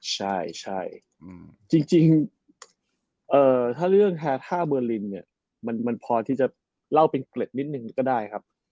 ใช่จริงถ้าเรื่องแฮท่าเบอร์ลินเนี่ยมันพอที่จะเล่าเป็นเกล็ดนิดนึงก็ได้ครับ